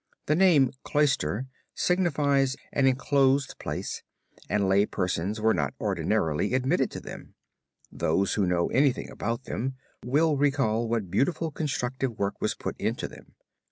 The name cloister signifies an enclosed place and lay persons were not ordinarily admitted to them. Those who know anything about them will recall what beautiful constructive work was put into them.